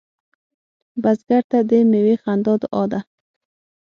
بزګر ته د میوې خندا دعا ده